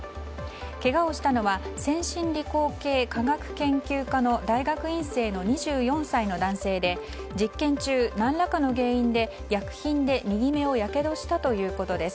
けがをしたのは先進理工系科学研究科の大学院生の２４歳の男性で実験中、何らかの原因で薬品で右目をやけどしたということです。